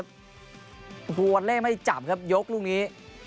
โอ้โหวัลเล่ไม่จับครับยกลูกนี้